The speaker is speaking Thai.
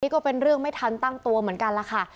ก็เป็นเรื่องไม่ทันตั้งตัวเหมือนกันล่ะค่ะ